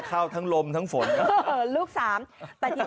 พี่ทำยังไงฮะ